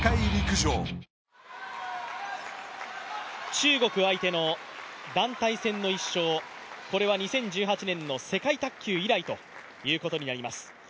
中国相手の団体戦の１勝、これは２０１８年の世界卓球以来ということになります。